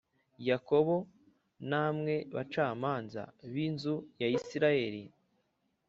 Yakobo namwe bacamanza b inzu ya Isirayeli